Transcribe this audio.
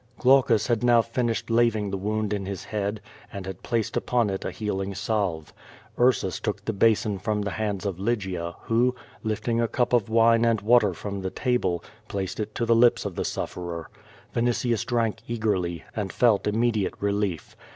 Glaucus had now finished laving the wound in his head, and had placed upon it a healing salve. Ursus took the basin from the hands of Lygia, who, lifting a cup of wine and wa ter from the table, placed it to the lips of the sufferer. Vini tius drank eagerly, and felt immediate relief.